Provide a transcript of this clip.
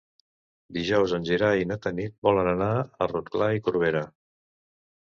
Dijous en Gerai i na Tanit volen anar a Rotglà i Corberà.